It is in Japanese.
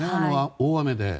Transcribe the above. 大雨で。